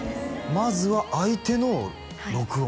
まずは相手の録音？